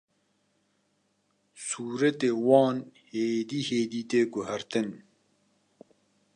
sûreta wan hêdî hêdî tê guhertin